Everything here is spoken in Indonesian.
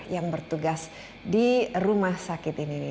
yang bertugas di rumah sakit ini